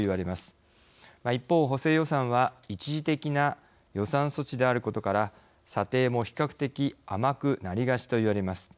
一方補正予算は一時的な予算措置であることから査定も比較的甘くなりがちといわれます。